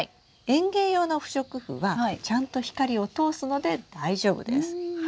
園芸用の不織布はちゃんと光を通すので大丈夫です。